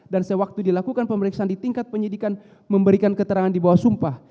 dan sewaktu dilakukan pemeriksaan di tingkat penyidikan memberikan keterangan di bawah sumpah